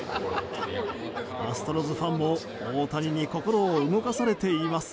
アストロズファンも大谷に心を動かされています。